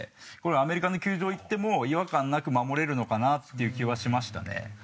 アメリカの球場行っても違和感なく守れるのかなっていう気はしましたね。